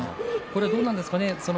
どうなんでしょうかね